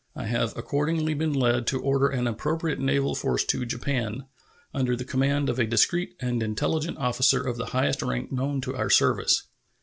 I have accordingly been led to order an appropriate naval force to Japan, under the command of a discreet and intelligent officer of the highest rank known to our service.